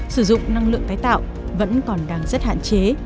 sử dụng năng lượng tái tạo vẫn còn đang rất hạn chế